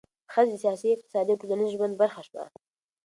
ښځې د سیاسي، اقتصادي او ټولنیز ژوند برخه شوه.